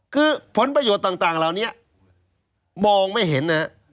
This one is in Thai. คือผลประโยชน์ต่างเหล่านี้มองไม่เห็นนะฮะ